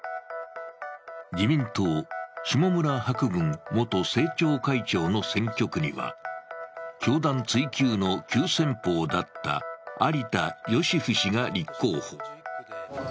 自民党・下村博文元政調会長の選挙区には教団追及の急先鋒だった有田芳生氏が立候補。